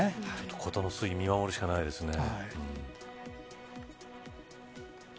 事の推移を見守るしかないですね。